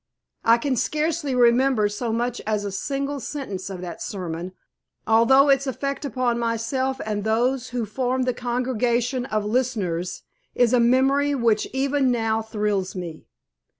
I can scarcely remember so much as a single sentence of that sermon, although its effect upon myself and those who formed the congregation of listeners, is a memory which even now thrills me.